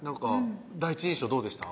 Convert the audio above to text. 第一印象どうでした？